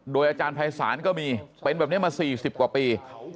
อาจารย์ภัยศาลก็มีเป็นแบบนี้มา๔๐กว่าปี